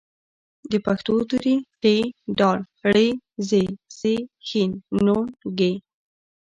د پښتو توري: ټ، ډ، ړ، ځ، څ، ښ، ڼ، ږ